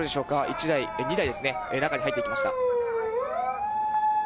１台、２台ですね、中に入っていきました。